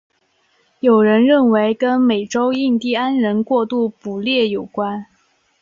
有人认为跟美洲印第安人过度捕猎有关。